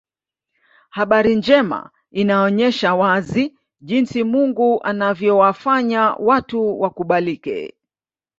Habari njema inaonyesha wazi jinsi Mungu anavyowafanya watu wakubalike